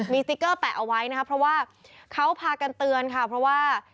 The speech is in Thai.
มีสติ๊กเกอร์แปะเอาไว้นะครับเพราะว่าเขาพากันเตือนค่ะเพราะว่า